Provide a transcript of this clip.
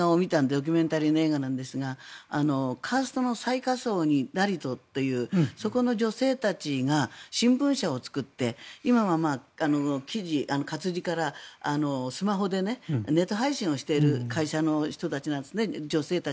ドキュメンタリーの映画なんですがカーストの最下層のそこの女性たちが新聞社を作って記事、活字からスマホでネット配信している会社の人たちなんです